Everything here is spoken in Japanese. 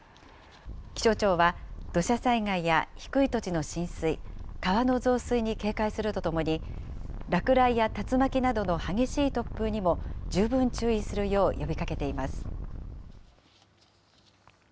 気象庁は、土砂災害や低い土地の浸水、川の増水に警戒するとともに、落雷や竜巻などの激しい突風にも十分注意するよう呼びかけています。